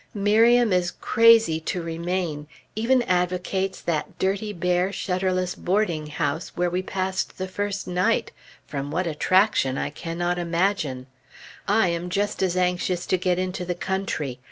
Miriam is crazy to remain even advocates that dirty, bare, shutterless boarding house where we passed the first night, from what attraction I cannot imagine. I am just as anxious to get into the country.